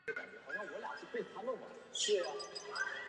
爱达荷州参议院是美国爱达荷州议会的上议院。